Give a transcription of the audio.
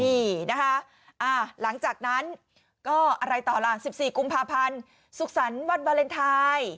นี่นะคะหลังจากนั้นก็อะไรต่อล่ะ๑๔กุมภาพันธ์สุขสรรค์วันวาเลนไทย